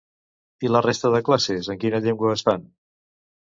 I la resta de classes en quina llengua es fan?